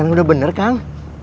ini kan udah bener kang